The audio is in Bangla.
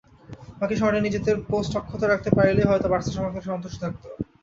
বাকি সময়টা নিজেদের পোস্ট অক্ষত রাখতে পারলেই হয়তো বার্সা সমর্থকেরা সন্তুষ্ট থাকত।